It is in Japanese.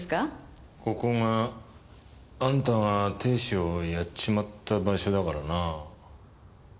ここがあんたが亭主をやっちまった場所だからな。